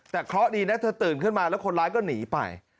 แต่เค้าดีทั้วเตือนแล้วคนร้ายก็หนีไป